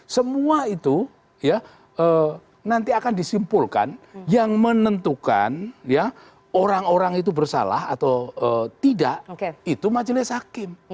semua itu ya nanti akan disimpulkan yang menentukan ya orang orang itu bersalah atau tidak itu majelis hakim